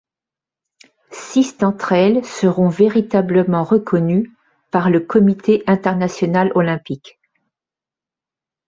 Six d'entre elles seront véritablement reconnues par le Comité international olympique.